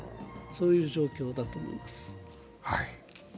そういう状況だと思います。